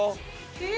えっ。